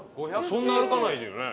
そんな歩かないよね。